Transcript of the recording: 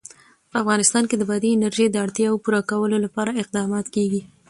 په افغانستان کې د بادي انرژي د اړتیاوو پوره کولو لپاره اقدامات کېږي.